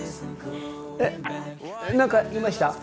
えっ何か言いました？